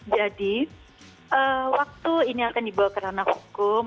jadi waktu ini akan dibawa ke ranah hukum